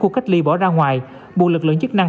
khu cách ly bỏ ra ngoài buộc lực lượng chức năng